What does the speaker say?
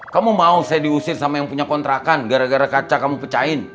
kamu mau saya diusir sama yang punya kontrakan gara gara kaca kamu pecahin